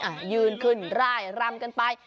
อ่ะยืนขึ้นร่ายรำกันไป